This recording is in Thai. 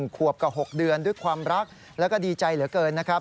ขวบกับ๖เดือนด้วยความรักแล้วก็ดีใจเหลือเกินนะครับ